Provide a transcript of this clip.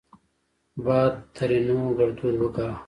باد؛ ترينو ګړدود وګا